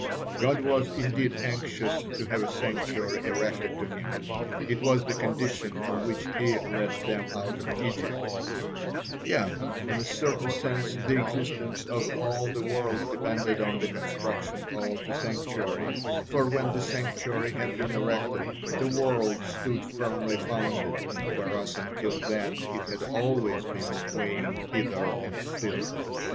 God was indeed anxious to have a sanctuary erected to Him, it was the condition on which He led them out of Egypt, yea, in a certain sense the existence of all the world depended on the construction of the sanctuary, for when the sanctuary had been erected, the world stood firmly founded, whereas until then it had always been swaying hither and thither.